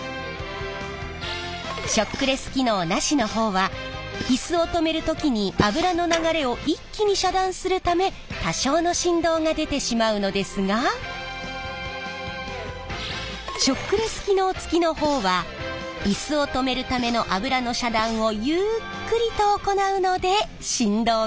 ショックレス機能なしの方はイスを止める時に油の流れを一気に遮断するため多少の振動が出てしまうのですがショックレス機能付きの方はイスを止めるための油の遮断をゆっくりと行うので振動がないんです。